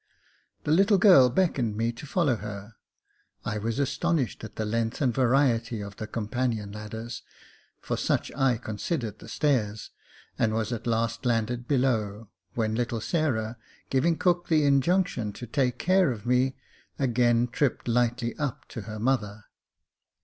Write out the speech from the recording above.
The little girl beckoned me to follow her. I was astonished at the length and variety of the companion ladders, for such I considered the stairs, and was at last landed below, when little Sarah, giving cook the injunction to take care of me, again tripped lightly up to her mother.